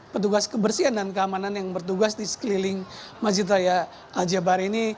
empat ratus petugas kebersihan dan keamanan yang bertugas di sekeliling masjid raya jabar ini